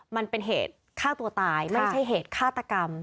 มันเป็นเหตุฆ่าตัวตายไม่ใช่เหตุฆาตกรรม